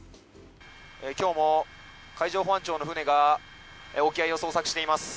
今日も海上保安庁の船が沖合を捜索しています。